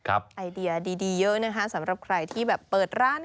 ไอเดียดีเยอะนะคะสำหรับใครที่แบบเปิดร้าน